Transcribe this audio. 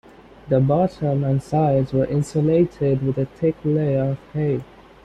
The bottom and sides were insulated with a thick layer of hay.